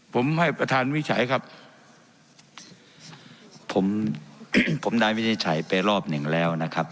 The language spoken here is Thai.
ผมให้ประธานวิจัยครับผมผมได้วินิจฉัยไปรอบหนึ่งแล้วนะครับ